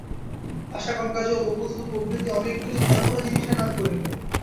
আশা গঙ্গাজল বকুলফুল প্রভৃতি অনেকগুলি ভালো ভালো জিনিসের নাম করিল।